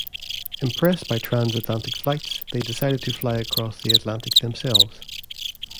Impressed by trans-Atlantic flights, they decided to fly across the Atlantic themselves.